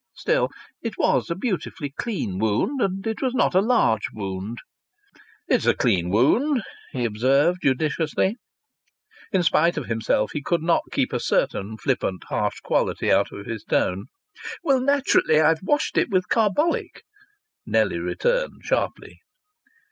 Still, it was a beautifully clean wound, and it was not a large wound. "It's a clean wound," he observed judiciously. In spite of himself he could not keep a certain flippant harsh quality out of his tone. "Well, I've naturally washed it with carbolic," Nellie returned sharply.